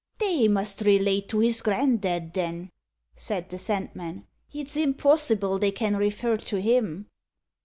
"They must relate to his granddad, then," said the Sandman; "it's impossible they can refer to him."